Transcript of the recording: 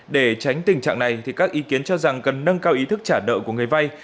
để tránh tình trạng này các ý kiến cho rằng cần nâng cao ý thức trả nợ của người vay